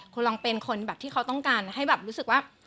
คุณลองเป็นคนแบบที่เขาต้องการให้แบบรู้สึกว่า